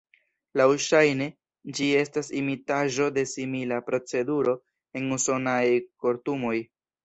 Laŭŝajne ĝi estas imitaĵo de simila proceduro en usonaj kortumoj.